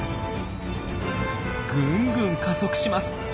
ぐんぐん加速します。